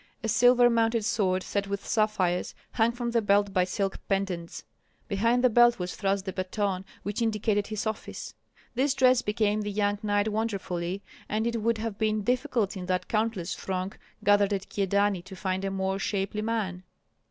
A silver mounted sword set with sapphires hung from the belt by silk pendants; behind the belt was thrust the baton, which indicated his office. This dress became the young knight wonderfully, and it would have been difficult in that countless throng gathered at Kyedani to find a more shapely man.